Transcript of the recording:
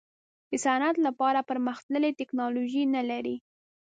د صنعت لپاره پرمختللې ټیکنالوجي نه لري.